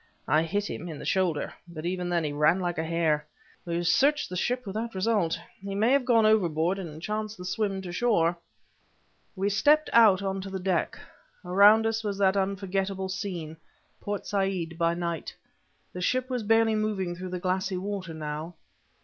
I hit him in the shoulder; but even then he ran like a hare. We've searched the ship, without result. He may have gone overboard and chanced the swim to shore..." We stepped out onto the deck. Around us was that unforgettable scene Port Said by night. The ship was barely moving through the glassy water, now.